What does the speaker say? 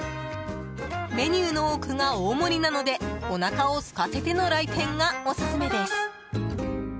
メニューの多くが大盛りなのでおなかをすかせての来店がオススメです。